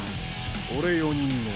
俺４人目。